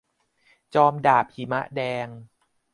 จอมดาบหิมะแดง